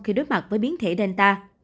khi đối mặt với biến thể delta